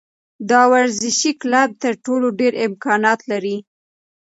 دا ورزشي کلب تر ټولو ډېر امکانات لري.